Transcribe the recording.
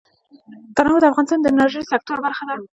تنوع د افغانستان د انرژۍ سکتور برخه ده.